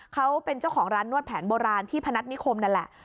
เขาเป็นเจ้าของร้านนวดแผนโบราณที่พนัฐนิคมนั่นแหละ